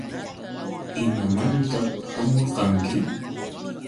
¿Imamantaq hamurqanki?